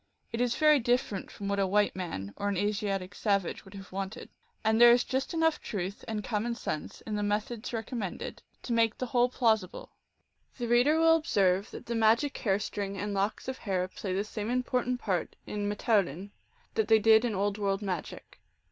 It is very different from what a white man or an Asiatic savage would have wanted ; and there is just enough truth and common sense in the methods recommended to make the whole plausi ble. The reader will observe that the magic hair string and locks of hair play the same important part in rrfteoulin that they did in Old World magic.